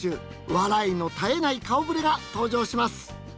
笑いの絶えない顔ぶれが登場します！